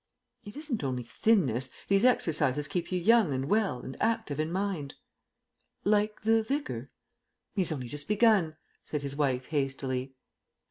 "It isn't only thinness; these exercises keep you young and well and active in mind." "Like the Vicar?" "He's only just begun," said his wife hastily.